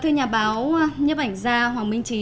nếu nhấp ảnh gia hoàng minh trí